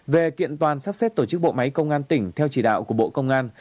về kiện toàn sắp xếp tổ chức bộ máy công an tỉnh theo chỉ đạo của bộ công an